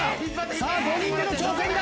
さあ５人での挑戦だ。